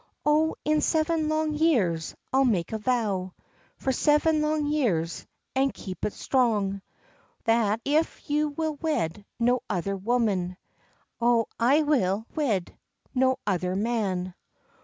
"O in seven long years I'll make a vow For seven long years, and keep it strong, That if you'll wed no other woman, O I will wed no other man."